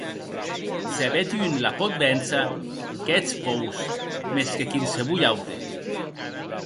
Se bèth un la pòt véncer qu’ètz vos, mès que quinsevolh aute.